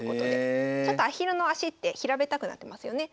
ちょっとアヒルの足って平べったくなってますよね。